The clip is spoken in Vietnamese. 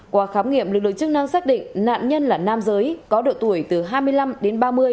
qua khám nghiệm lực lượng chức năng xác định nạn nhân là nam giới có độ tuổi từ hai mươi năm đến ba mươi